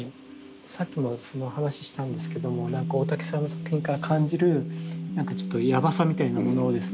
さっきもその話したんですけどもなんか大竹さんの作品から感じるなんかちょっとやばさみたいなものをですね